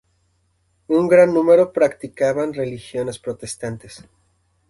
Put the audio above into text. Un gran número practicaban religiones protestantes.